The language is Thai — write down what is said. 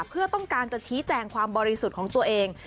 เพื่อต้องการจะชี้แจงความบริสุทธิ์ของตัวเอง